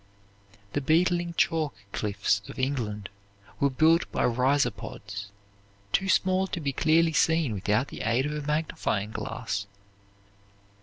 The beetling chalk cliffs of England were built by rhizopods, too small to be clearly seen without the aid of a magnifying glass.